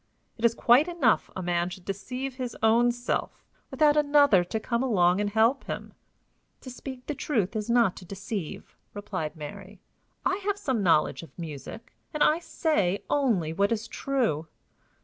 It's quite enough a man should deceive his own self, without another to come and help him." "To speak the truth is not to deceive," replied Mary. "I have some knowledge of music, and I say only what is true."